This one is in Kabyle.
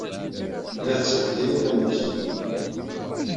Tella tettheddin iman-nnes.